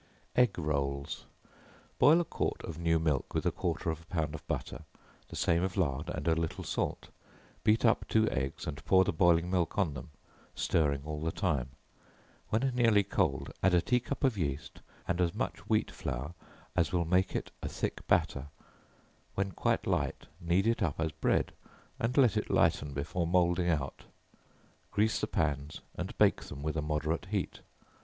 Egg Rolls. Boil a quart of new milk with a quarter of a pound of butter, the same of lard, and a little salt; beat up two eggs, and pour the boiling milk on them, stirring all the time; when nearly cold, add a tea cup of yeast and as much wheat flour as will make it a thick batter, when quite light knead it up as bread, and let it lighten before moulding out; grease the pans, and bake them with a moderate heat.